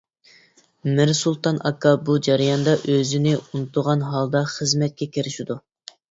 مىرسۇلتان ئاكا بۇ جەرياندا ئۆزىنى ئۇنتۇغان ھالدا خىزمەتكە كىرىشىدۇ.